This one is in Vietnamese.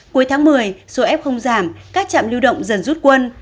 cuối tháng một mươi số f không giảm các trạm lưu động dần rút quân